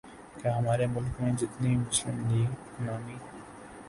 کیا ہمارے ملک میں جتنی مسلم لیگ نامی